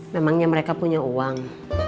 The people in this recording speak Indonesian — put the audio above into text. memangnya mereka punya uang